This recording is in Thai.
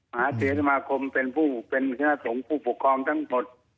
มหาเศรษฐมาคมเป็นคณะสงค์ผู้ปกครองทั้งหมด